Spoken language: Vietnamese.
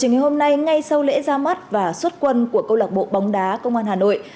ngay ngay sau lễ ra mắt và xuất quân của công lạc bộ bóng đá công an hà nội